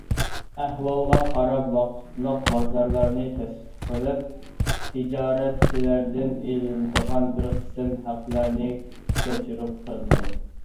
ئەھۋالغا قاراپ، ۋاقىتلىق بازارلارنى تەسىس قىلىپ، تىجارەتچىلەردىن ئېلىنىدىغان بىر قىسىم ھەقلەرنى كەچۈرۈم قىلدى.